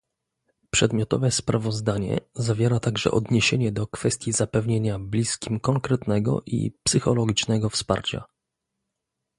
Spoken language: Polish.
Przedmiotowe sprawozdanie zawiera także odniesienie do kwestii zapewnienia bliskim konkretnego i psychologicznego wsparcia